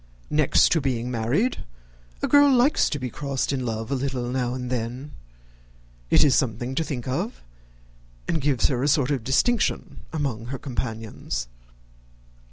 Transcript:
Next to being married, a girl likes to be crossed in love a little now and then. It is something to think of, and gives her a sort of distinction among her companions.